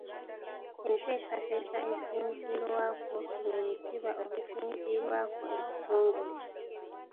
Enteekateeka esinziirwako lwe lutiba olusinziirwako ekitongole.